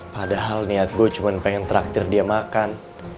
padahal niat gue cuma pengen traktir dia makan